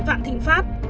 vạn thịnh pháp